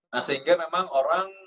nah sehingga memang orang